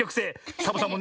サボさんもね